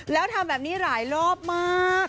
แล้วทำแบบนี้หลายรอบมาก